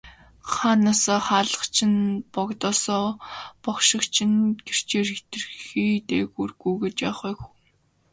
Хаанаасаа хаалгач нь, богдоосоо бошгоч нь гэгчээр хэтэрхий дээгүүр гүйгээд яах вэ хөө.